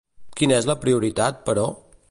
Quina és la prioritat, però?